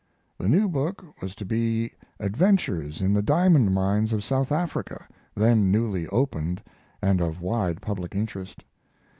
The new book was to be adventures in the diamond mines of South Africa, then newly opened and of wide public interest.